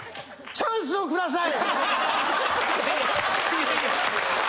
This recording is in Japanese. チャンスをください。